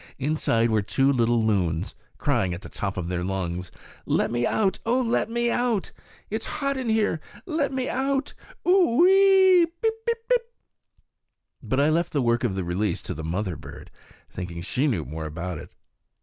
Inside were two little loons, crying at the top of their lungs, "Let me out! O let me out! It's hot in here. Let me out Oooo eee! pip pip pip!" But I left the work of release to the mother bird, thinking she knew more about it.